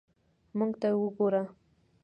موږ ته وګوره.